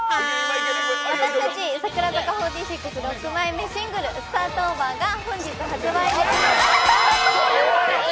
私たち櫻坂４６６枚目シングル「Ｓｔａｒｔｏｖｅｒ！」が本日発売です。